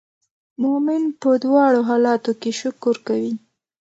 مؤمن په دواړو حالاتو کې شکر کوي.